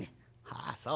「ああそう。